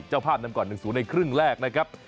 เจ้าภาพนำก่อน๑๐ในครึ่งแรกนะครับ